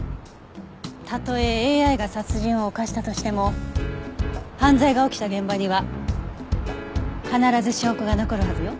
たとえＡＩが殺人を犯したとしても犯罪が起きた現場には必ず証拠が残るはずよ。